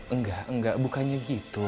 enggak enggak bukannya gitu